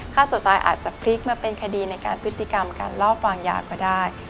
ฆ่าตัวตายอาจจะพลิกมาเป็นคดีในการพฤติกรรมการลอบวางยาก็ได้